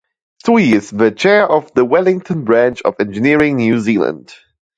Tsui is the chair of the Wellington branch of Engineering New Zealand.